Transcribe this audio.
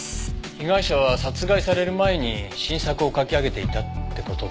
被害者は殺害される前に新作を書き上げていたって事ですね。